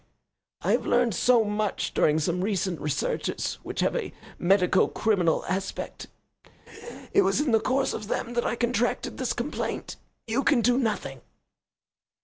"I have learned so much during some recent researches which have a medico criminal aspect. It was in the course of them that I contracted this complaint. You can do nothing."